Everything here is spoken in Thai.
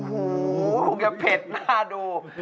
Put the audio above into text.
โอ้โฮมันก็เผ็ดหน้าดู